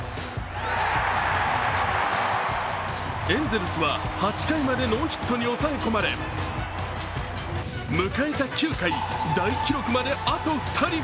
エンゼルスは８回までノーヒットに押さえ込まれ、迎えた９回、大記録まであと２人。